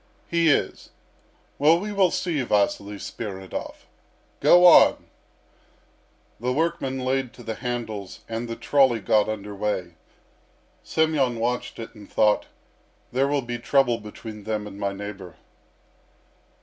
"He is." "Well, we will see Vasily Spiridov. Go on!" The workmen laid to the handles, and the trolley got under way. Semyon watched it, and thought, "There will be trouble between them and my neighbour."